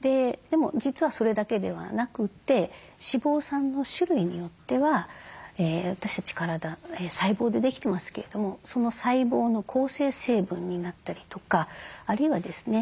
でも実はそれだけではなくて脂肪酸の種類によっては私たち体細胞でできてますけれどもその細胞の構成成分になったりとかあるいはですね